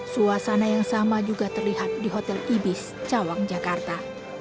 suasana yang sama juga terlihat di hotel ibis cawang jakarta